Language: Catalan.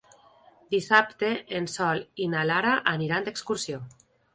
Dissabte en Sol i na Lara aniran d'excursió.